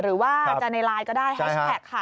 หรือว่าจะในไลน์ก็ได้แฮชแท็กค่ะ